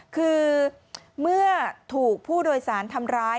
คือเมื่อถูกผู้โดยสารทำร้าย